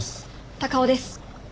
高尾です。